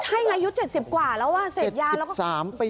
ใช่อายุ๗๐กว่าแล้วเสพยาแล้ว